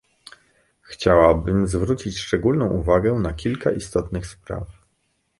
Chciałabym zwrócić szczególną uwagę na kilka istotnych spraw